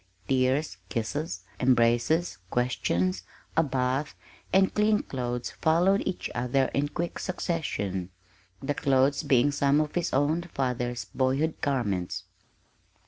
Tears, kisses, embraces, questions, a bath, and clean clothes followed each other in quick succession the clothes being some of his own father's boyhood garments.